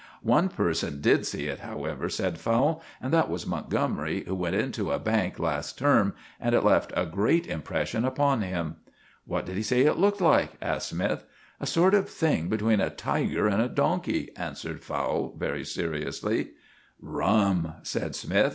"One person did see it, however," said Fowle, "and that was Montgomery, who went into a bank last term, and it left a great impression upon him." "What did he say it looked like?" asked Smythe. "A sort of thing between a tiger and a donkey," answered Fowle very seriously. "Rum," said Smythe.